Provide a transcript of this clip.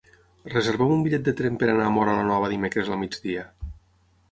Reserva'm un bitllet de tren per anar a Móra la Nova dimecres al migdia.